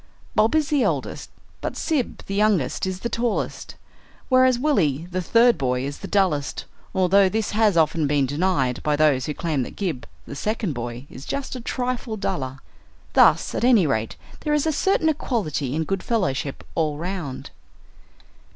Bob is the eldest, but Sib the youngest is the tallest, whereas Willie the third boy is the dullest, although this has often been denied by those who claim that Gib the second boy is just a trifle duller. Thus at any rate there is a certain equality and good fellowship all round.